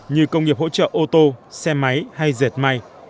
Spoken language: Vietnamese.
như công nghiệp hỗ trợ ô tô xe máy hay dệt may